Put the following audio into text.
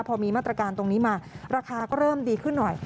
พอมีมาตรการตรงนี้มาราคาก็เริ่มดีขึ้นหน่อย